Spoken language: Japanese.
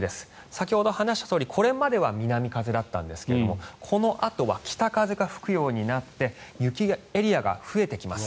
先ほど話したとおりこれまでは南風だったんですがこのあとは北風が吹くようになって雪エリアが増えてきます。